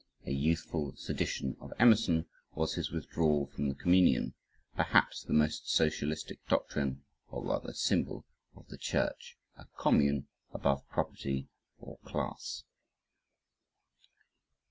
A "youthful sedition" of Emerson was his withdrawal from the communion, perhaps, the most socialistic doctrine (or rather symbol) of the church a "commune" above property or class.